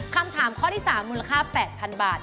คำถามข้อที่๓มูลค่า๘๐๐๐บาท